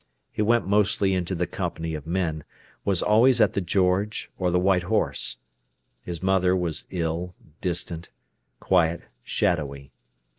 He went mostly into the company of men, was always at the George or the White Horse. His mother was ill, distant, quiet, shadowy.